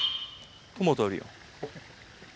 トマトあるやん。